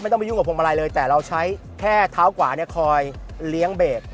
ต้องไปยุ่งกับพวงมาลัยเลยแต่เราใช้แค่เท้าขวาเนี่ยคอยเลี้ยงเบรก